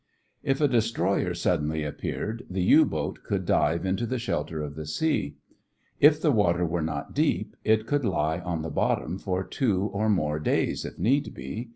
If a destroyer suddenly appeared, the U boat could dive into the shelter of the sea. If the water were not too deep, it could lie on the bottom for two or more days if need be.